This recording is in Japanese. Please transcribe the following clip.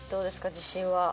自信は。